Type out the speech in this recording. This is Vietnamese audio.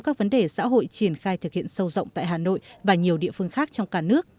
các vấn đề xã hội triển khai thực hiện sâu rộng tại hà nội và nhiều địa phương khác trong cả nước